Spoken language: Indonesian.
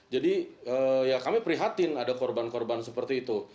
jadi ya kami prihatin ada korban korban seperti itu